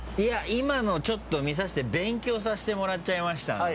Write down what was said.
今のちょっと見させて勉強させてもらっちゃいましたので。